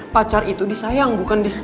pacar itu disayang bukan